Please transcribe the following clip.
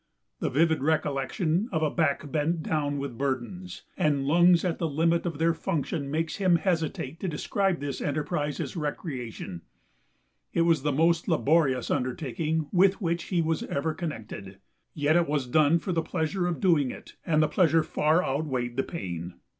The vivid recollection of a back bent down with burdens and lungs at the limit of their function makes him hesitate to describe this enterprise as recreation. It was the most laborious undertaking with which he was ever connected; yet it was done for the pleasure of doing it, and the pleasure far outweighed the pain.